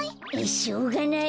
しょうがない。